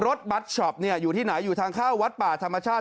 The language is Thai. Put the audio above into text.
บัตช็อปอยู่ที่ไหนอยู่ทางเข้าวัดป่าธรรมชาติ